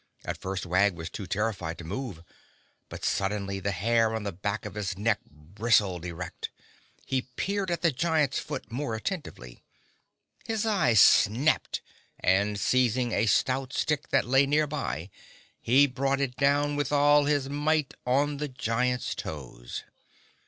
At first Wag was too terrified to move. But suddenly the hair on the back of his neck bristled erect. He peered at the giant's foot more attentively. His eyes snapped and, seizing a stout stick that lay near by, he brought it down with all his might on the giant's toes.